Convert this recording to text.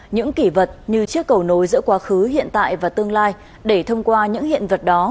những kỷ vật như chiếc cầu nối giữa quá khứ hiện tại và tương lai để thông qua những hiện vật đó